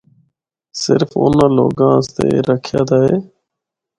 صرف اُنّاں لوگاں آسطے اے رکھیا دا اے۔